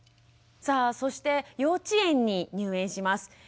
さあそして幼稚園に入園します。